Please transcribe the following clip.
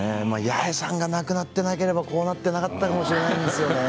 八重さんが亡くなってなければこうなってなかったかもしれませんね。